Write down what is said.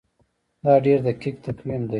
دا ډیر دقیق تقویم دی.